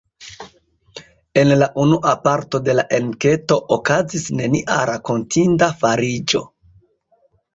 En la unua parto de la enketo okazis nenia rakontinda fariĝo.